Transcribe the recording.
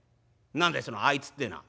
「何でえその『あいつ』ってえのは？」。